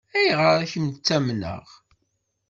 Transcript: Ayɣer i kem-ttamneɣ?